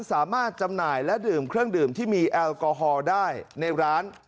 จำหน่ายและดื่มเครื่องดื่มที่มีแอลกอฮอล์ได้ในร้าน